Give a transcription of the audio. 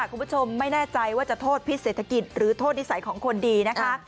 คุณผู้ชมไม่แน่ใจว่าจะโทษพิษเศรษฐกิจหรือโทษนิสัยของคนดีนะคะ